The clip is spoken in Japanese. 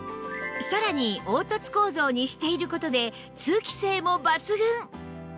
さらに凹凸構造にしている事で通気性も抜群！